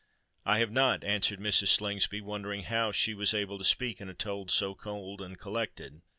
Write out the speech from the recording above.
"I have not," answered Mrs. Slingsby, wondering how she was able to speak in a tone so cold and collected.